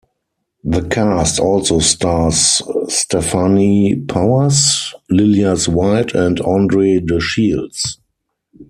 The cast also stars Stefanie Powers, Lillias White and Andre DeShields.